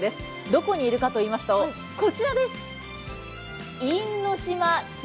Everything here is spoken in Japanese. どこにいるかといいますと、こちらです。